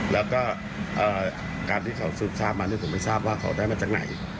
แล้วก็การที่เขาสืบทราบมาผมไม่ทราบว่าเขาได้มาจากไหน